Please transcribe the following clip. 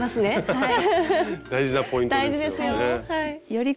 はい！